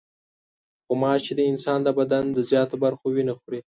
غوماشې د انسان د بدن د زیاتو برخو وینه خوري.